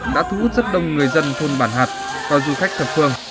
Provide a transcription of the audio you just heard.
đã thu hút rất đông người dân thôn bản hạt và du khách thập phương